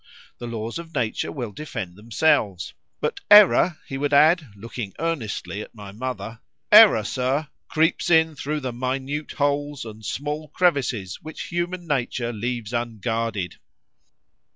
—The laws of nature will defend themselves;—but error——(he would add, looking earnestly at my mother)——error, Sir, creeps in thro' the minute holes and small crevices which human nature leaves unguarded.